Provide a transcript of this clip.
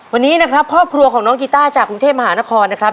วันนี้นะครับครอบครัวของน้องกีต้าจากกรุงเทพมหานครนะครับ